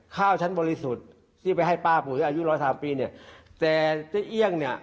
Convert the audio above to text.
ข้าวฉันบริสุทธิ์ที่ไปให้ป้าปุ๋ยอายุร้อยสามปีเนี่ยแต่เจ๊เอี่ยงเนี่ย